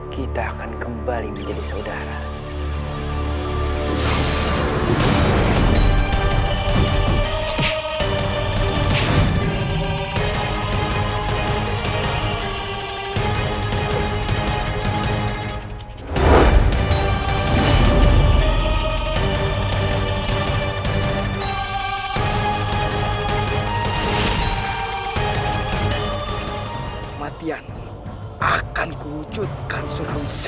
karena tuhan menyakiti rakyat yang santan